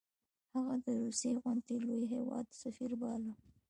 هغه د روسیې غوندې لوی هیواد سفیر باله.